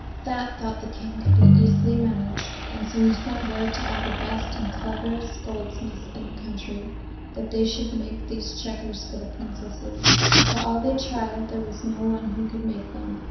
That, thought the King, could be easily managed, and so he sent word to all the best and cleverest goldsmiths in the country that they should make these checkers for the Princesses. For all they tried there was no one who could make them.